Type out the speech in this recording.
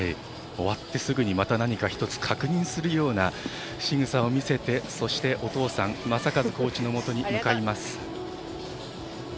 終わってすぐにまた何か１つ、確認するようなしぐさを見せてそしてお父さん正和コーチのもとに向かいます。